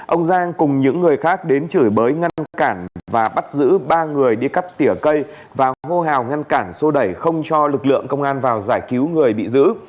ông giang cùng những người khác đến chửi bới ngăn cản và bắt giữ ba người đi cắt tỉa cây và hô hào ngăn cản xô đẩy không cho lực lượng công an vào giải cứu người bị giữ